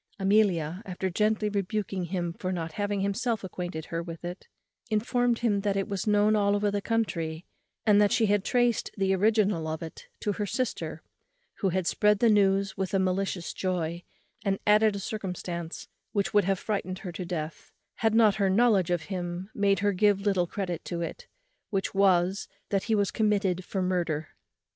Amelia, after gently rebuking him for not having himself acquainted her with it, informed him that it was known all over the country, and that she had traced the original of it to her sister; who had spread the news with a malicious joy, and added a circumstance which would have frightened her to death, had not her knowledge of him made her give little credit to it, which was, that he was committed for murder.